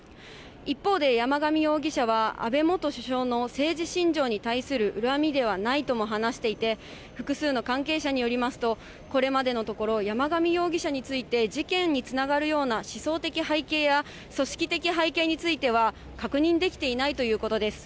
一方で、山上容疑者は安倍元首相の政治信条に対する恨みではないとも話していて、複数の関係者によりますと、これまでのところ、山上容疑者について事件につながるような思想的背景や、組織的背景については確認できていないということです。